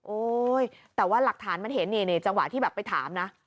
แต่ว่าหลักฐานมันเห็นนี่จังหวะที่แบบไปถามนะ